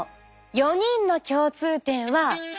４人の共通点は。